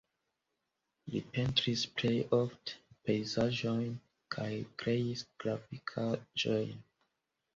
Li pentris plej ofte pejzaĝojn kaj kreis grafikaĵojn.